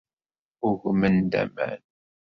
Ugmen-d aman.